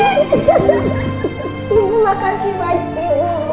ibu makasih pak ibu